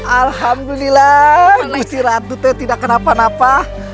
alhamdulillah gusti ratu teh tidak kenapa napa